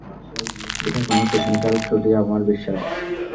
এটা কোনও টেকনিক্যাল ত্রুটি, আমার বিশ্বাস!